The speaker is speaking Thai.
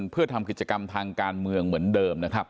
เพื่อทำกิจกรรมทางการเมืองเหมือนเดิมนะครับ